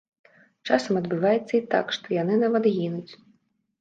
Часам адбываецца і так, што яны нават гінуць.